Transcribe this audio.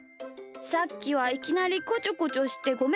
さっきはいきなりこちょこちょしてごめん。